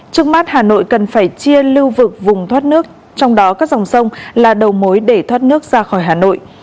trước mắt hà nội cần phải chia lưu vực vùng thoát nước trong đó các dòng sông là đầu mối để thoát nước ra khỏi hà nội